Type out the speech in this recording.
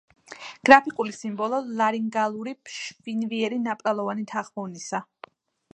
გრაფიკული სიმბოლო ლარინგალური ფშვინვიერი ნაპრალოვანი თანხმოვნისა.